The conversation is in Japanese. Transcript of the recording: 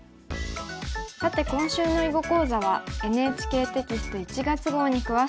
さて今週の囲碁講座はＮＨＫテキスト１月号に詳しく載っています。